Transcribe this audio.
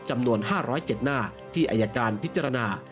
จำนวน๕๐๗หน้าที่อายการพิจารณา